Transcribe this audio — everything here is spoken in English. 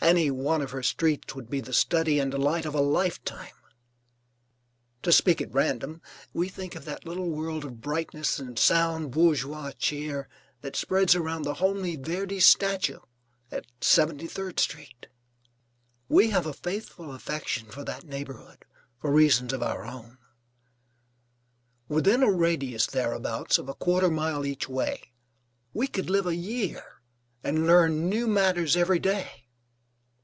Any one of her streets would be the study and delight of a lifetime. To speak at random, we think of that little world of brightness and sound bourgeois cheer that spreads around the homely Verdi statue at Seventy third Street. We have a faithful affection for that neighbourhood, for reasons of our own. Within a radius, thereabouts, of a quarter mile each way, we could live a year and learn new matters every day.